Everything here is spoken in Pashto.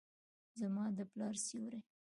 زما د پلار سیوري ،